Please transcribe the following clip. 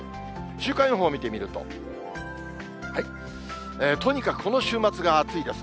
週間予報見てみると、とにかくこの週末が暑いです。